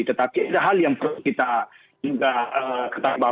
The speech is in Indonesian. tetapi ada hal yang perlu kita ingat